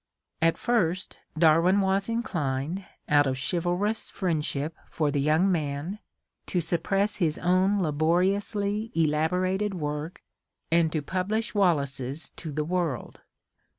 At first, Darwin was inclined, out of chiv alrous friendship for the young man, to suppress his own laboriously elaborated work and to publish Wallace's to the world.